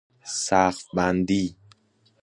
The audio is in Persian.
سقف بندی